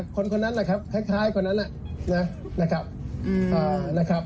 คนคนนั้นแหละครับคล้ายคนนั้นนะครับ